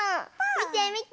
みてみて。